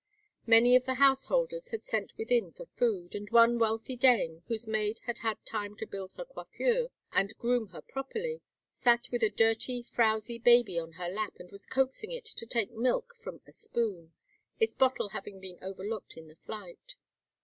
Many of the householders had sent within for food, and one wealthy dame, whose maid had had time to build her coiffure and groom her properly, sat with a dirty frowsy baby on her lap and was coaxing it to take milk from a spoon, its bottle having been overlooked in the flight.